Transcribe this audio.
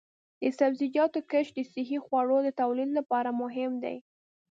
د سبزیجاتو کښت د صحي خوړو د تولید لپاره مهم دی.